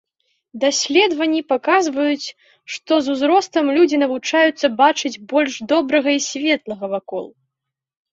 Даследаванні паказваюць, што з узростам людзі навучаюцца бачыць больш добрага і светлага вакол.